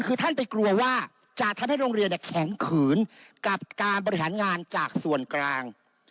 คือท่านไปกลัวว่าจะทำให้โรงเรียนแข็งขืนกับการบริหารงานจากส่วนกลาง